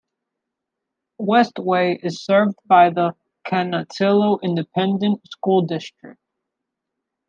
Westway is served by the Canutillo Independent School District.